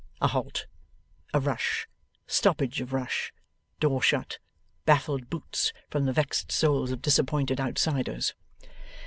A halt. A rush. Stoppage of rush. Door shut. Baffled boots from the vexed souls of disappointed outsiders.